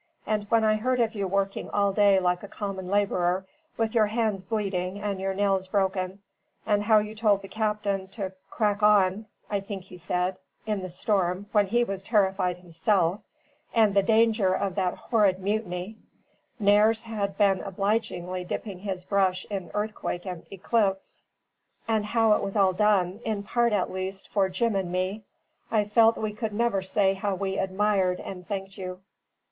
And when I heard of you working all day like a common labourer, with your hands bleeding and your nails broken and how you told the captain to 'crack on' (I think he said) in the storm, when he was terrified himself and the danger of that horrid mutiny" (Nares had been obligingly dipping his brush in earthquake and eclipse) "and how it was all done, in part at least, for Jim and me I felt we could never say how we admired and thanked you."